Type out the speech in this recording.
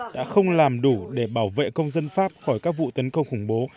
đã không làm đủ để bảo vệ công dân pháp khỏi các vụ tấn công khủng bố